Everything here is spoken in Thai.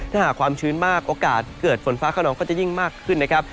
ถ้าหากความชื้นมากโอกาสเกิดฝนฟ้าขนองก็จะยิ่งมากขึ้นนะครับ